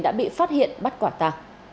đã bị phát hiện bắt quả tà